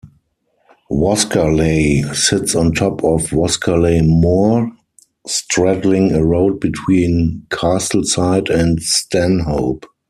Waskerley sits on top of Waskerley Moor, straddling a road between Castleside and Stanhope.